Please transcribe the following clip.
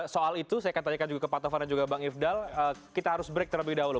soal itu saya akan tanyakan juga ke pak tovan dan juga bang ifdal kita harus break terlebih dahulu